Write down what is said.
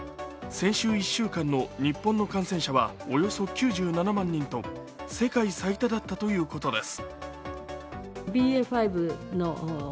先週１週間の日本の感染者はおよそ９７万人と世界最多だったということです。